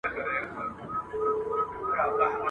ستا تر پلو ستا تر اوربل او ستا تر څڼو لاندي !.